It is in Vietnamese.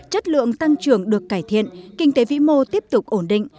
chất lượng tăng trưởng được cải thiện kinh tế vĩ mô tiếp tục ổn định